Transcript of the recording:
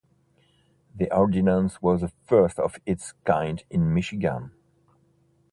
The ordinance was the first of its kind in Michigan.